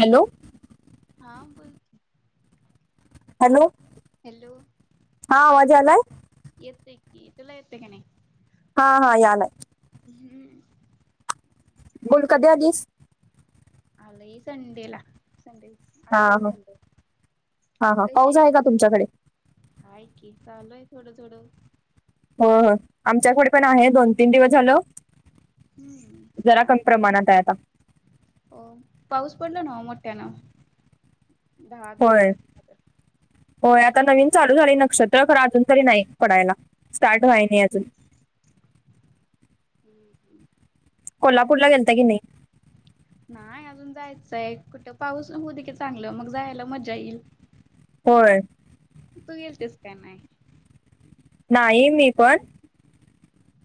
Hello. हां बोल की. हॅलो हॅलो हा आवाज यालाय? येतोय की तुला येतोय का नाही? हा हा यालाय. हम्. बोल कधी आलीस? आलय संडेला‌ संडे आठ हा दिवस हा झाले. हा हा कशी पाऊस आहे. का तुमच्याकडे हाय की चालुय थोड थोड होय होय आमच्याकडे पण आहे. दोन तीन दिवस झाल. हम्म जरा चांग कमी प्रमाणात आहे आता. हो पाऊस पडलो ना हो मोठ्यान. होय तर. होय आता नवीन चालू झाली नक्षत्र खरा अजून तरी नाही पडायला. स्टार्ट व्हाय नाही अजून. [inaudible] कोल्हापूरला गेलता की नाही. नाय अजून जायचय कुठ पाऊस हो दे की चांगल मग जायला मजा येईल. होय. तू गेलतीस काय नाय? नाही मी पण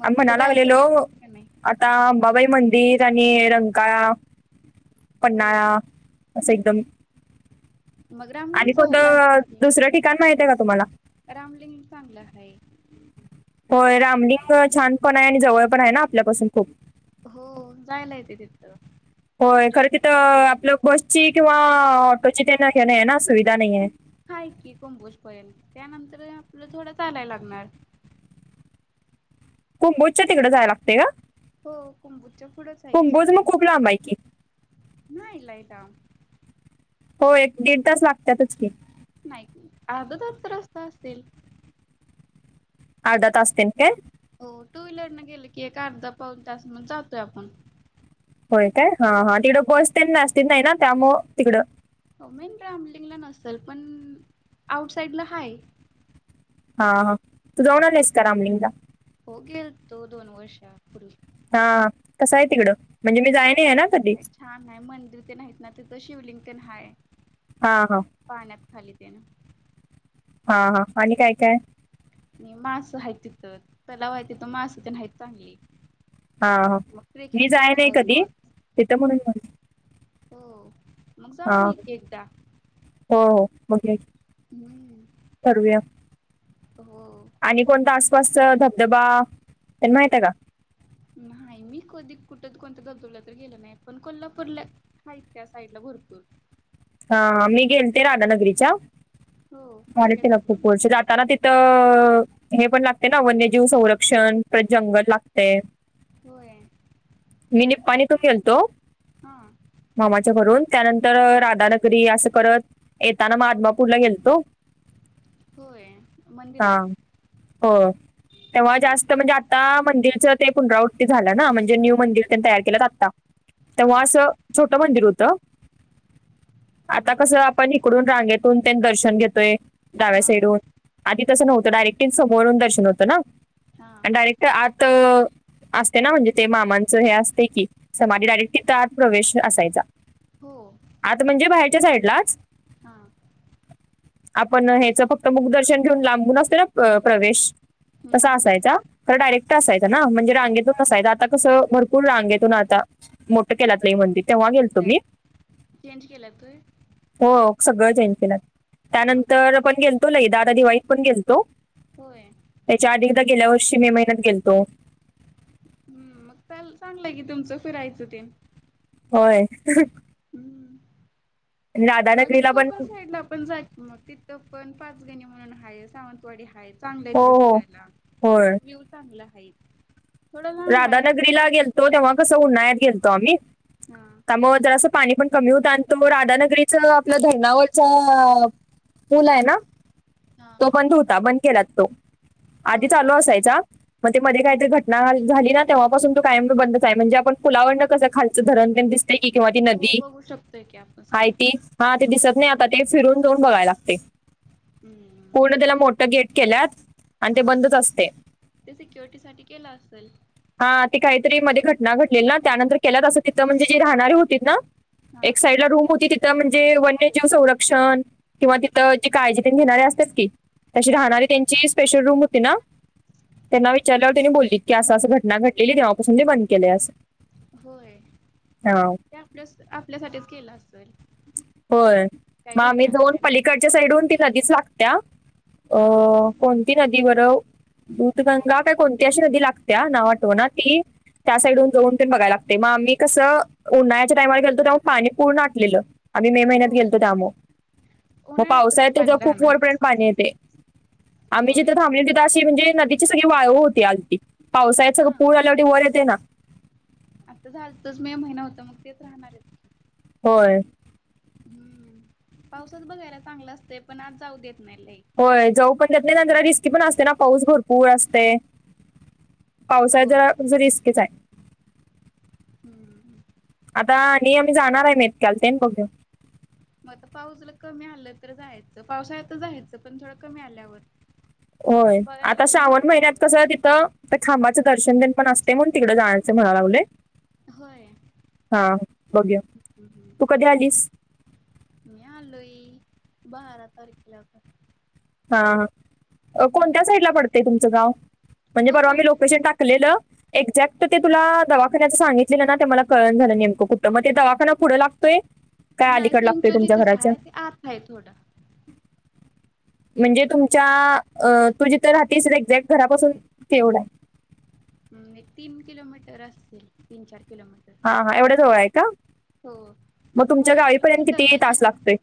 मग आम्ही कुठे म्हणा जायचं लागलेलो प्लॅन का नाही अंबाबाई मंदिर आणि रंकाळा. हो पन्हाळा अस एकदम मग रामलिंग आणि ला कोणत जाते दुसर ठिकाण माहित आहे का तुम्हाला? रामलिंग चांगल आहे. होय रामलिंग छान पण आहे, आणि जवळ पण आहे ना आपल्यापासून खूप. हो जायल आहे ते तिथ. होय खर तिथ आपल बसची किंवा ऑटोची तेन हे नाहीय ना सुविधा नाहीय. हाय की कुंभोज पर्यंत. त्यानंतर आपल थोड चालायला लागणार. कुंबोजच्या तिकड जाय लागतय का? हो कुंबुजच्या पुुढंच आहे की. कुंभोज मग खूप लांब आहे की नाही लाईटा होय एक दीड तास लागत्यातच की. नाही अर्ध तासचा रस्ता असेल. अर्ध तास तेन काय? हो टू व्हीलर न गेले की एक अर्धा पाऊन तास मग जातोय आपण. होय काय हा हा तिकड बस तेन नसतील नाही ना त्यामूळ तिकड हो मेन रामलिंगला नसल. पण आउटसाइडला हाये. हा हा तू जाऊन आली आहेस काय रामलिंगला. हो गेल्तो दोन वर्षा पूर्वी. हा कसं हाय तिकडं म्हणजे मी जाय नाहीय ना. कधी छान आहे. मंदिर ते आहेत ना तिथ शिवलिंगन तेन हाय. हा हा पाण्यात खाली तेन हा हा आणि काय काय आणि मास हायत तिथ. तलाव हाय तिथ मास ते हायत चांगली. हा हा मग मी जाय ट्रेकिंगसाठी नाही हाऊस कधी तिथं म्हणून म्हणते. हो मग जाऊ हा ये की एकदा. हो हो बघेल. हम्म करूया हो. आणि कोणता अस मस्त धबधबा तेन माहित आहे का? नाही मी कधी कुठ कोणत धबधबला तर गेल नाही पण कोल्हापूरला आहेत त्या साईडला भरपूर. हा मी गेलते राधानगरीच्या हो. हाय झाली काय त्याला चांगलं खूप मग? वर्ष त्याला तिथं हे पण लागते ना वन्यजीव संरक्षण जंगल लागते. होय. मी निप्पाणी तो खेलतो. हा. मामाच्या घरून त्यानंतर राधानगरी असं करत येताना आदमापूरला गेलतो होय हा मंदिरला. होय तेव्हा जास्त सांगते. म्हणजे आत आता मंदिरच ते पुनरावृत्ती झालं ना म्हणजे न्यू मंदिर त्यांनी तयार केलं आता हा तेव्हा असं छोटं मंदिर होतं. आता मग कसं आपण इकडून रांगेतून त्यां दर्शन घेतोय डाव्या हा साईडून आधी तस नव्हतं डायरेक्टली समोरून दर्शन होतं ना हा आणि डायरेक्ट त्या आत असते ना म्हणजे ते मामांचं हे असते की समाधी डायरेक्ट तिथ आत प्रवेश असायचा. हो. म्हणजे बाहेरच्या साईडलाच. हा आपण ह्याच फक्त मुख दर्शन घेऊन लांबून असते ना अ प्रवेश तसा हम्म. असायचा. तर डायरेक्ट असायंचा ना म्हणजे रांगेतच असायच ना आता कसं भरपूर रांगेतून आता मोठं केलात नाही मंदिर तेव्हा गेलतो त्यात मी. चेंज केलात होय. हो सगळं चेंज केलय मग त्यानंतर पण गेलतो लई दादा दिवाळीत पण गेलतो. होय. त्याच्या आधी एकदा गेल्या वर्षी मे महिन्यात गेलतो. हमम मग चांग चांगलंय की तुमचं फिरायचं ते होय. हम्म आणि मग हिथ राधानगरीला पण कोकण साईड ला पण जाय मग तिथं पण पाचगणी म्हणून हाये सावंतवाडी हायेत. चांगलं आहे हो तुलां हो फिरायला होय व्ह्यू चांगला आहेत. राधानगरीला गेलतो तेव्हा कसं उन्हाळ्यात गेलतो आम्ही हा. त्यामुळे जर असं पाणी पण कमी होतं आणि तो राधानगरीच आपल्या धरणावरचा अअ पुल आहे ना हा तो बंद होता बंद केला तो. आधी होय. चालू असायचा मग ते मध्ये काहीतरी घटना झाली ना तेव्हापासून तो कायमचा बंदच आहे म्हणजे आपण पुलावरून कसं खालंच धरणपण दिस की किंवा ती हो नदी बघू शकतोय की आपण हाय सगळं. ती हा ते हो. दिसत नाही आत तर ते फिरून जाऊन बघायला लागते. हमम. पूर्ण त्याला मोठ गेट केल्यात आणि ते हा. बंदच असते. ते सिक्युरिटीसाठी केलं असेल. हा ते काहीतरी मध्ये घटना घडलेली ना त्यानंतर केल्यात असं तिथं म्हणजे जी राहणारी होती ना हा एक साईड ला रूम होती ति तर म्हणजे वन्यजीव संरक्षण किंवा तिथं जी काळजी ते घेणारे असतेस की तशी राहणारी त्यांची स्पेशल रूम होती ना त्यांना विचारल्यावर त्यांनी बोलली की असं असं घटना घडलेली तेव्हापासून ते बंद केलंय असं. होय हा ते आपल्या आपल्यासाठीच केलं असल. होय मग आम्ही जाऊन पलीकडच्या साईडूहन ती नदीच लागत्या हा अ कोणती नदी बर? दूधगंगा काय कोणती अशी नदी लागतीया नाव आठवणा ती त्या साइडवरुन जाऊन तेन बघाय लागतय म आम्ही कसं उन्हाळ्याच्या टाईमावर गेलतो तेव्हा पाणी पूर्ण आटलेल. आम्ही मे महिन्यात हो गेलतो त्यामुळ म उन्हाळ्यात कसं पावसाळ्यात पाणी तेज्यावर खूप राहणार वरपर्यंत पाणी येतय. आम्ही जिथ होय थाबलेलो तिथ अशी म्हणजे नदी सगळी वाळू होती आलती पावसाळत सगळं हा पूर आल्यावरती वर येते ना आता झालतच मे महिना होता मग तेच राहणारयेच होय. हम्म पावसात बघायला चांगल असतय पण आज जाऊ देत नाही लई होय जाऊ पण देत नाय आणि जरा रिस्की पण असते ना पाऊस भरपूर असतय. पावसाळात जरा म्हजे रिस्कीच आय. हूं हूं आता नी आम्ही जाणार हाय क्याल प्लॅन बघू यां म आता पाऊस जरा कमी आलं तर जायचं पावसाळ्यात जायचं पण थोडं कमी आल्यावर ओय बघायला आता तेन श्रावण भेटतंय महिन्यात सगळं. कसं तिथ तिथं खांबाच दर्शन तेन असतय म्हणून तिकड जायाच म्हणाय लागलोय. होय हा बघू या हम्म तू हम्म कधी आलीस मी आलोय बारा तारखेला पण हा अ कोणत्या हम्म साईडला पडतय तुमच गाव म्हणजे परवा कोकण मी लोकेशन टाक कलेल एक्झॅक्ट त ते तुला दवाखान्याच सांगितलेल ना ते मला कळण झाल नेमक कुठ म ते दवाखाना पुढ लागतोय काय नाय अलीकडे लागतोय तुमच्या चिमचोलीतच घराच्या हाय ते आत हाय थोड म्हणजे तुमच्या अ तू जिथे राहतेस एक्झॅक्ट घरापासून तेवढा हाय. हम् एक तीन किलोमीटर असतील तीन चार किलोमीटर हा हा एवढ्या जवळ आहे का? हो मग तुमच्या म्हणून तुला गावीपर्यंत बोललो ना किती ये तास लागतोय म्हणून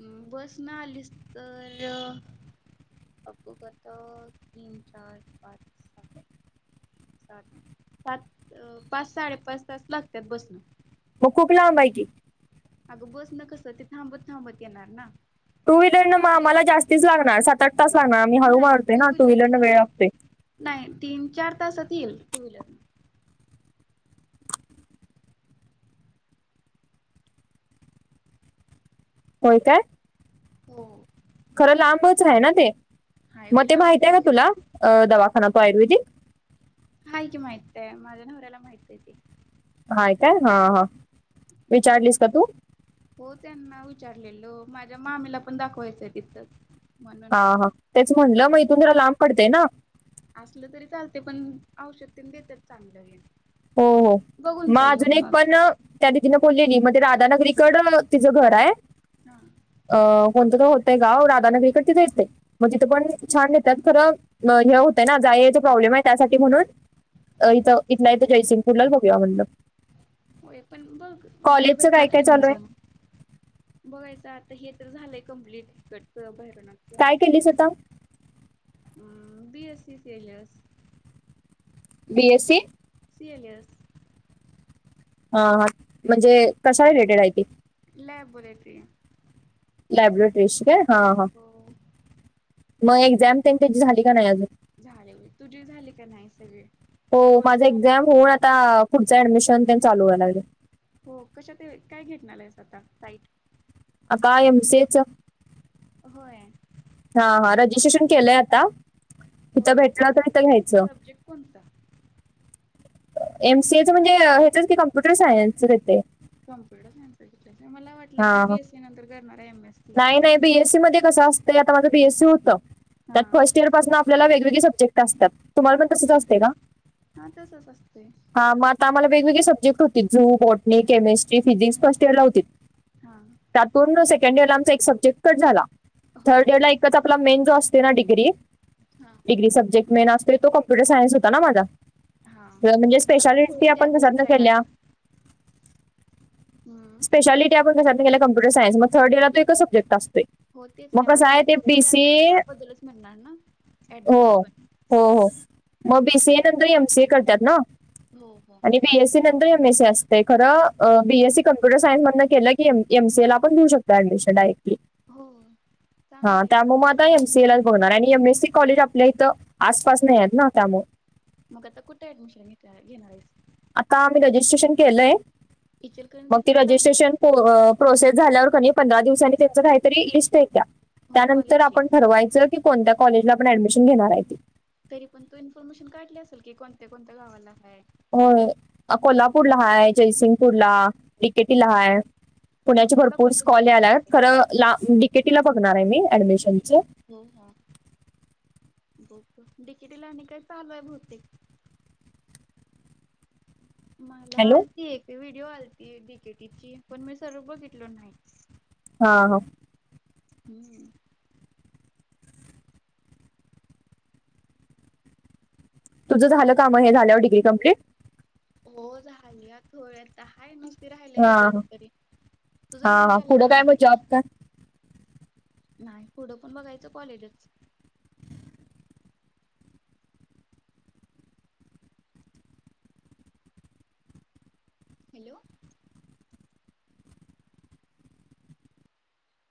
अ बस न आलीस तर आपु गातात तीन चार पाच सात सात पाच साडेपाच तास लागत्यात बस नं म खूप लांब हाय की अगं बस न कस ते थांबत थांबत येणार ना टू व्हीलर न म आपली आम्हाला जास्तीच लागणार सात आठ तास लागणार मी हळू मारते ना टू व्हीलर न वेळ लागते. नाय तीन चार तासात येईल टू व्हीलर न होय काय. हो. खर लांबच हाय ना ते म हायवे ते लांब माहित आहे का लई तुला हाय दवाखाना तो आयुर्वेदिक हाय की माहित ते माझ्या नवऱ्याला माहित हाय ते हाय का हा हा हम्म म विचारलीस का तू हो त्यांना विचारलेलं माझ्या मामीला पण दाखवायचंय तिथच हा हा तेच म्हणलं म इथून जरा लांब पडतय न असल तरी चालते पण औषध तेनं देत्यात चांगल हे हो हो बघून म जा अजून येऊन एक मग पण त्या दीदीन बोललेली म ते राधा नगरीकड तिज घर हाय हा अ कोणत त होतय गाव राधानगरीकड तिथं ये म तिथं पण हम्म छान देतात खर हे होत ना जाय याय चा प्रॉब्लेम आहे त्यासाठी म्हणून इथ इथला जयसिंगपूरलाच बघूया म्हणल. होय पण बघ वेळ भेटला काय तर काय येऊन चालू आहे जा. बघायच आता हे तर झालेय कंम्प्लीिट इकडच काय केली स्वतः? हम्म बी एस सी केलस. बी एस सी, सि ऐन स. हा हा म्हणजे कश्या रिलेटेड आहे ती. लॅबोरेटरी. लॅबोरेटरीशी काय हा- हा, हो मग एक्झाम तेन त्यांच्या झाली का नाही अजून? झाले व्हय. तुझी झाली का नाही सगळे? हो कोर्स माझा झाला एक्झाम नव्ह? होऊन आता, पुढच ऍडमिशनते चालू व्हाय लागले. हो कशात? तेवस काय घेतणार आहेस आता साईट? आता एम सि ए च. होय. हा हा रजिस्ट्रेशन केलय आता इथे होय को भेटल तर इथे घ्यायच. सब्जेक्ट कोणता? एमसीएच म्हणजे हेचच की कॉम्प्युटर सायन्स घेते. कम्प्युटर सायन्स मला वाटल हा की, हा बीएसी नंतर करणारा एम. S C. नाही नाही बीएससी मध्ये, कस असत. तरी आता माझं बीएससी होत, हा त्यात फर्स्ट इयर पासन आपल्याला वेगवेगळे सब्जेक्ट असतात. तुम्हाला पण तसच हो असते का? हा तसंच असतंय हा म, आ्हाला वेगळे सब्जेक्ट होतील zoo, पॉटनिक, chemistry, physics first year ला होतील. हा त्यातून सेकंड इयर ला आमचा एक सब्जेक्ट कट झाला, हो थर्ड इयर ला एक एकच आपला मेन जो, असततो ना डिग्री हा डिग्री सब्जेक्ट मेन असतो तो, कॉम्पुटर सायंस होता ना माझा. हा म्हणजे मग तुला स्पेशालिटी पुढे ते आपण आताच कसात न करायला केल्या. लागणार. हम्म स्पेशालिटी अपण कशातन केल्या, कम्पुटर सायन्सन मं थर्ड इयरला तो एकच सब्जेक्ट असतोय. हो तेच की मग आता, कसं तुला आहे ते फोतच होत तयार बीसीए त्याबद्दलच मिळणार ना हो ऍडमिशन पण हो हो मग बी सीये नंतर एम सीये या से करतात नव. हो हो आणि बीएससी नंतर एमएसी असते खर, बीएसी कम्प्युटर सायन्स मधन केल, की ए एमसीयला आपण देऊ शकतो. डायरेक्ली. हो हा चांगलं आहे मग. त्यामुळे म एमसीए लाच बघणार आणि एमएससी कॉलेज आपल्या इथ आसपास नाही आहेत ना त्यामुळे मग आता कुठे ऍडमिशन घेत घेणार आहेस? आता आम्ही रजिस्ट्रेशन केलय मग, ते इचलकरंजीतच काय? रेजिस्ट्रेशन प्रो प्रोसेस झाल्यावर कनी पंधरा दिवसांनी त्याच, काहीतरी लिस्ट् येत्या. हो त्यानंतर कॉलेजची आपण ठरवायच की, कोणत्या कॉलेजला आपण ऍडमिशन घेणार आहेत ते. तरी पण तू इन्फॉर्मेशन काढली असेल की, कोणत्या कोणत्या कोणत्या गावाला आहे. होय कोल्हापूरला हाय, जयसिंगपूरला एक के टी ला हय. मग पुण्याची त्याला भरपूर स् कोणतं कॉले सोपं आलाय पडतंय. खर ला डीकेटीला बघणार आहे मी ऍडमिशनच. हो हा बुक डिकीटीला आणि काय चालुय आहे बहुतेक, मला हॅलो आलती एक ती व्हिडिओ आलती डि के टी ची पण मी सरळ बघितलो नाई. हा हं हम्म तुझं झालं कामं हे झाल्यावर डिग्री कम्प्लीट. हो झाल्यात होय आता हाय मग ती राहिलय हा रिझल्ट तरी. तुझं हा रिझल्ट हा आलं पुढं का काय नाही? मग जॉब काय नाही पुढं पण बघायचं कॉलेजच. हॅलो.